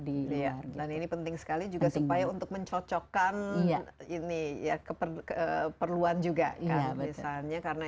di luar dan ini penting sekali juga supaya untuk mencocokkan ini ya keperluan juga kan misalnya karena